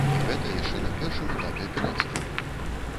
І гэта яшчэ на першым этапе аперацыі!